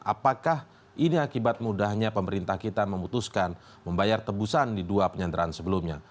apakah ini akibat mudahnya pemerintah kita memutuskan membayar tebusan di dua penyanderaan sebelumnya